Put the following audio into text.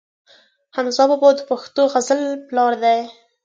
حمزه بابا د پښتو غزل پلار دی.